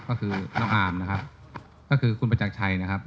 ก็คือน้องอาร์มนะครับก็คือคุณประจักรชัยนะครับ